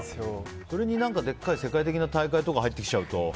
それに世界的な大会とかが入ってきちゃうと。